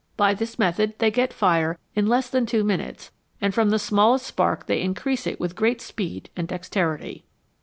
By this method they get fire in less than two minutes, and from the smallest spark they increase it with great speed and (1 xk'rity."